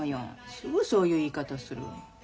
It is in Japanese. すぐそういう言い方する。